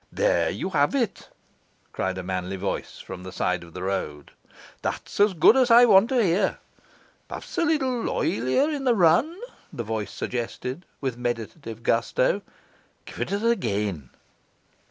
'There you have it!' cried a manly voice from the side of the road. 'That's as good as I want to hear. Perhaps a leetle oilier in the run,' the voice suggested, with meditative gusto. 'Give it us again.